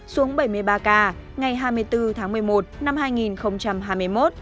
xuống bảy mươi ba ca ngày hai mươi bốn tháng một mươi một năm hai nghìn hai mươi một